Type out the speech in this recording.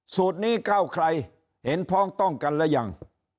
สูตรนี้ก้าวไกลเห็นพร้อมต้องกันยัง